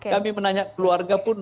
kami menanya keluarga pun